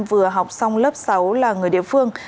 vừa học xong lớp sáu là người địa phương